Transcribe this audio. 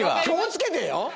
気を付けてよ